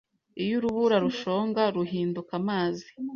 Iyo urubura rushonga, ruhinduka amazi.